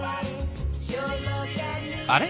あれ？